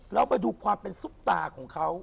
เราไปดูความเป็นซุปตาของเขา